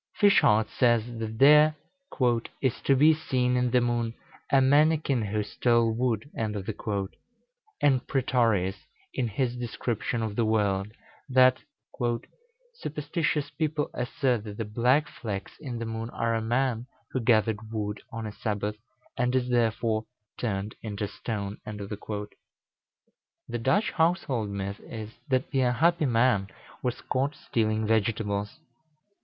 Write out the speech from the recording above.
Fischart says, that there "is to be seen in the moon a manikin who stole wood;" and Prætorius, in his description of the world, that "superstitious people assert that the black flecks in the moon are a man who gathered wood on a Sabbath, and is therefore turned into stone." The Dutch household myth is, that the unhappy man was caught stealing vegetables.